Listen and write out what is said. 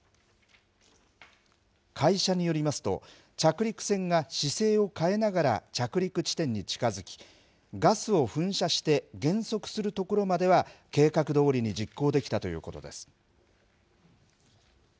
会社によりますと、着陸船が姿勢を変えながら、着陸地点に近づき、ガスを噴射して減速するところまでは計画どおりに実行できたということです。